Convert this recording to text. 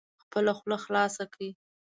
خپله خوله خلاصه کړئ